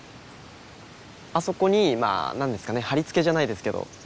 あそこにまあ何ですかねはりつけじゃないですけどまあ